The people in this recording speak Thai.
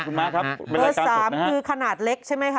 คุณม้าครับเบอร์๓คือขนาดเล็กใช่ไหมคะ